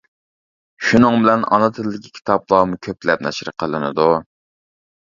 شۇنىڭ بىلەن ئانا تىلدىكى كىتابلارمۇ كۆپلەپ نەشر قىلىنىدۇ.